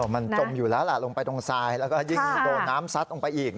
มาแล้ว